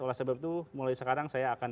oleh sebab itu mulai sekarang saya akan